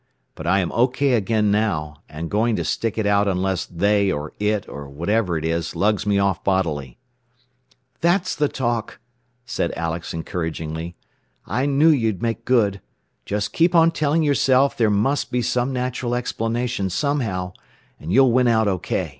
But I am OK again now, and going to stick it out unless 'they,' or 'it,' or whatever it is, lugs me off bodily." "That's the talk," said Alex encouragingly. "I knew you'd make good. Just keep on telling yourself there must be some natural explanation somehow, and you'll win out OK."